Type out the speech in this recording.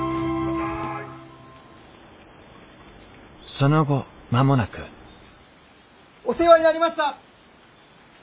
その後間もなくお世話になりました！